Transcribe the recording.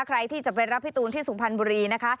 ใครที่จะไปรับพี่ตูนที่สุพรรณบุรีนะคะ